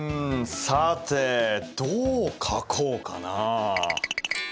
さてどう描こうかな。